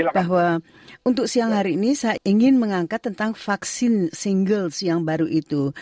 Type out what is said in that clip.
bahwa untuk siang hari ini saya ingin mengangkat tentang vaksin singles yang baru itu